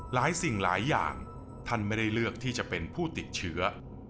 สิ่งหลายอย่างท่านไม่ได้เลือกที่จะเป็นผู้ติดเชื้อ